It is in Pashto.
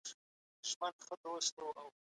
علم د تجربو تبادله او څېړنې ته اړتیا لري.